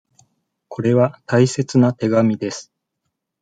これは大切な手紙です。